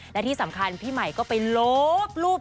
และที่สำคัญพี่ใหม่ก็ไปลบรูป